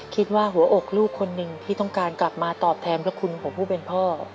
หัวอกลูกคนหนึ่งที่ต้องการกลับมาตอบแทนพระคุณของผู้เป็นพ่อ